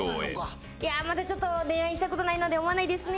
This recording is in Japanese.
まだちょっと恋愛したことないので思わないですね。